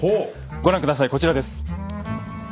ご覧下さいこちらです。